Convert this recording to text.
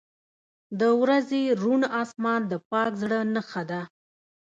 • د ورځې روڼ آسمان د پاک زړه نښه ده.